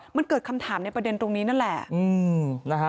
มันเกิดคำถามในประเด็นตรงนี้นั่นแหละ